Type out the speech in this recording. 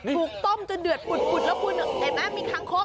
ถูกต้มจนเดือดปุ่ดแล้วคุณเห็นมั้ยมีคังคก